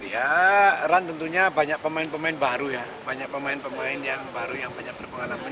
ya run tentunya banyak pemain pemain baru ya banyak pemain pemain yang baru yang banyak berpengalaman